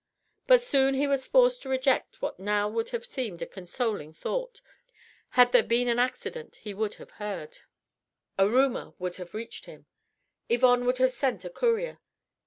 But soon he was forced to reject what now would have seemed a consoling thought: had there been an accident, he would have heard a rumour would have reached him Yvonne would have sent a courier.